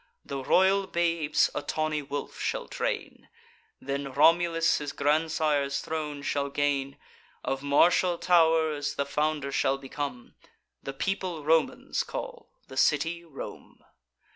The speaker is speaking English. The royal babes a tawny wolf shall drain: Then Romulus his grandsire's throne shall gain, Of martial tow'rs the founder shall become, The people Romans call, the city Rome.